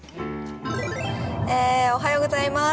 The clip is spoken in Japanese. ◆おはようございます。